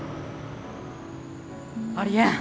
ありえん。